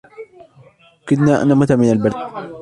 كدنا أن نموت من البرد.